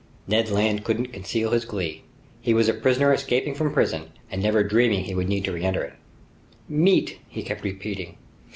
Ned Land couldn't conceal his glee. He was a prisoner escaping from prison and never dreaming he would need to reenter it. "Meat!" he kept repeating.